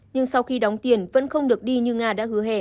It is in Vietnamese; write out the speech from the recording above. nhưng sau khi đóng tiền vẫn không được đi như nga đã hứa hẹn